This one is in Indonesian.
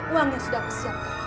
uangnya sudah aku siapkan